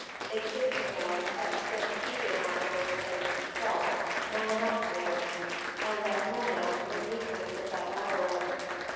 It seemed to him that since he did not know the place himself no one else knew it, and that no man would meet him in that labyrinth.